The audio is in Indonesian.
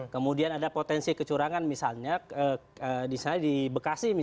kemudian ada potensi kecurangan misalnya di bekasi misalnya